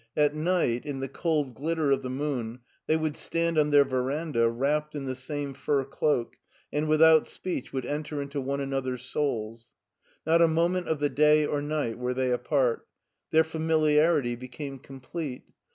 At night, in the cold glitter of the moon, they would stand on their veranda wrapped in the same fur cloak, and with out speech would enter into one another^s souls. Not a moment of the day or night were they apart. Their familiarity became complete.